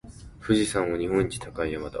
富士山は日本一高い山だ。